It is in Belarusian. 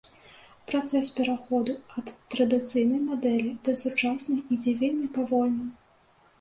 Працэс пераходу ад традыцыйнай мадэлі да сучаснай ідзе вельмі павольна.